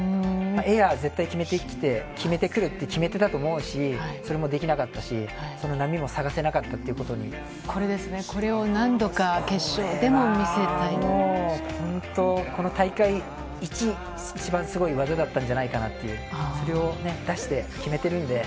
エアー、絶対決めてきて、決めてくるって決めてたと思うし、それもできなかったし、その波もこれですね、本当、この大会一、一番すごい技だったんじゃないかと、それを出して決めてるんで。